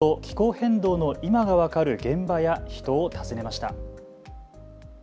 その小澤さんと気候変動の今が分かる現場や人を訪ねました。